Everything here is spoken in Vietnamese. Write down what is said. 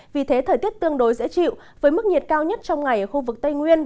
vì thế thời tiết tương đối dễ chịu với mức nhiệt cao nhất trong ngày ở khu vực tây nguyên